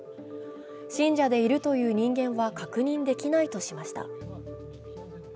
信者でいるという人間は確認できないとしました。